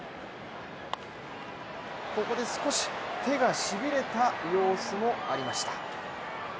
ここで少し手がしびれた様子もありました。